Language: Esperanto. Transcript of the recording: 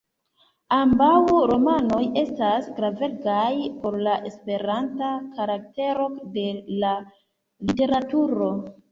Ambaŭ romanoj estas gravegaj por la esperanta karaktero de la literaturo.